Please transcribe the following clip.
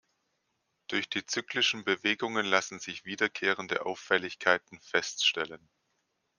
Durch die zyklischen Bewegungen lassen sich wiederkehrende Auffälligkeiten feststellen.